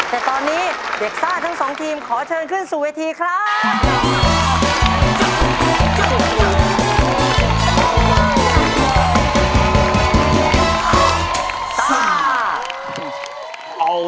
แต่ตอนนี้เด็กซ่าทั้งสองทีมขอเชิญขึ้นสู่เวทีครับ